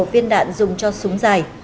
một viên đạn dùng cho súng dài